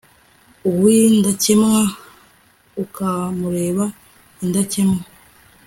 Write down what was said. uw'indakemwa, ukamubera indakemwa